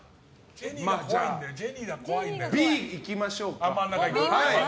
Ｂいきましょうか。